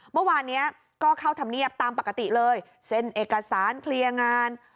เมื่อวานนี้ก็เข้าธรรมเนียบตามปกติเลยเซ็นเอกสารเคลียร์งาน